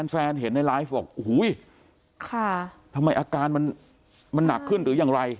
แฟนเห็นในไลฟ์บอกโอ้โหทำไมอาการมันหนักขึ้นหรือยังไร